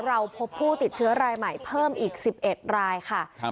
เราพบผู้ติดเชื้อรายใหม่เพิ่มอีก๑๑รายค่ะ